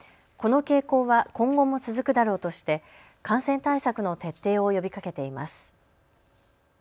この傾向は今後も続くだろうとして感染対策の徹底を呼びかけています。